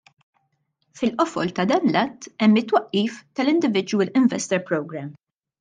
Fil-qofol ta' dan l-Att hemm it-twaqqif tal-Individual Investor Programme.